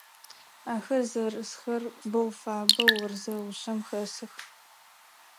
Ахэр зэрысхэр боу фабэ, орзэ гъушъэм хэсых.